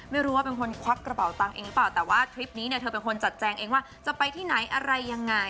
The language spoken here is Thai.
ไม่รู้ว่าเป็นคนควักกระเป๋าตังค์เองหรือเปล่าแต่ว่าทริปนี้เนี่ยเธอเป็นคนจัดแจงเองว่าจะไปที่ไหนอะไรยังไง